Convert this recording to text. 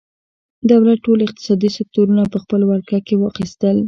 دولت ټول اقتصادي سکتورونه په خپله ولکه کې واخیستل.